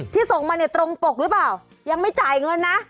ส่งมาเนี่ยตรงปกหรือเปล่ายังไม่จ่ายเงินนะ